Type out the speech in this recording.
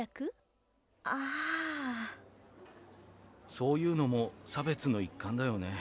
そういうのも差別の一環だよね。